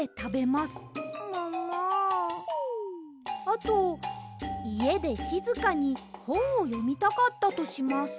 あといえでしずかにほんをよみたかったとします。